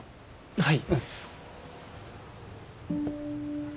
はい。